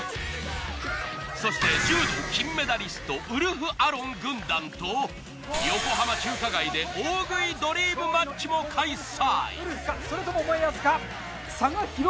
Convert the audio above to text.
そして柔道金メダリストウルフ・アロン軍団と横浜中華街で大食いドリームマッチも開催。